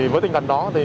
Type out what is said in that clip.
với tinh thần đó